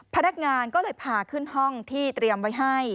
พนักงานก็เลยพาขึ้นห้องที่เตรียมไว้ให้